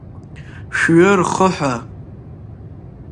Шәҩы-рхы ҳәа.